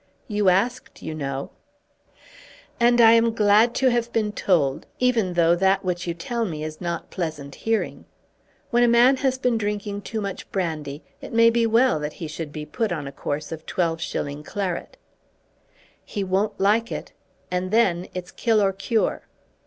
"You asked, you know." "And I am glad to have been told, even though that which you tell me is not pleasant hearing. When a man has been drinking too much brandy, it may be well that he should be put on a course of 12s. claret." "He won't like it; and then, it's kill or cure."